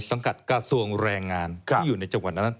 กระทรวงแรงงานที่อยู่ในจังหวัดนั้น